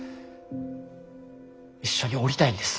一緒におりたいんです